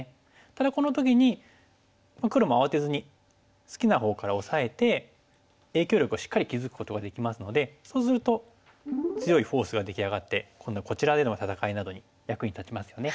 ただこの時に黒も慌てずに好きなほうからオサえて影響力をしっかり築くことができますのでそうすると強いフォースが出来上がって今度はこちらでの戦いなどに役に立ちますよね。